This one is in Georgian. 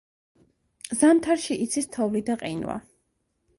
ზამთარში იცის თოვლი და ყინვა.